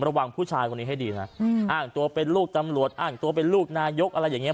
ระวังผู้ชายคนนี้ให้ดีนะอ้างตัวเป็นลูกตำรวจอ้างตัวเป็นลูกนายกอะไรอย่างนี้